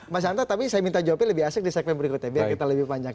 mas anta tapi saya minta jawabnya lebih asik di segmen berikutnya biar kita lebih panjang